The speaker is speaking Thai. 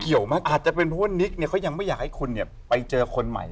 อาจจะเป็นเพราะว่านิกเนี่ยเขายังไม่อยากให้คุณเนี่ยไปเจอคนใหม่